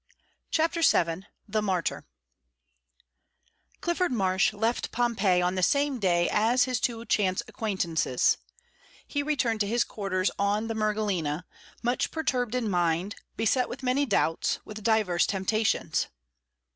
CHAPTER VII THE MARTYR Clifford Marsh left Pompeii on the same day as his two chance acquaintances; he returned to his quarters on the Mergellina, much perturbed in mind, beset with many doubts, with divers temptations.